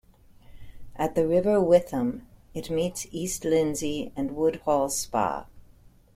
At the River Witham, it meets East Lindsey and Woodhall Spa.